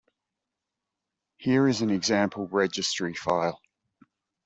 Here is an example registry file.